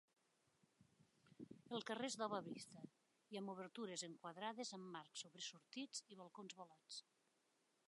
El carrer és d'obra vista i amb obertures enquadrades amb marcs sobresortits i balcons volats.